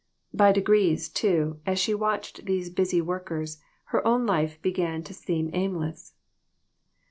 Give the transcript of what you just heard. By degrees, too, as she watched these busy workers, her own life began to seem aimless.